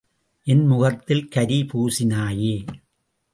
என் முகத்தில் கரி பூசினாயே!